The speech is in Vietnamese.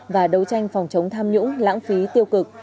và đấu tranh phòng chống tham nhũng lãng phí tiêu cực